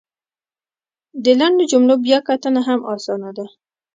د لنډو جملو بیا کتنه هم اسانه ده !